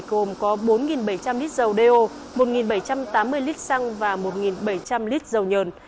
gồm có bốn bảy trăm linh lít dầu đeo một bảy trăm tám mươi lít xăng và một bảy trăm linh lít dầu nhờn